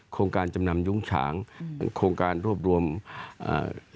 โครงการจำนำยุ้งฉางอืมโครงการรวบรวมอ่า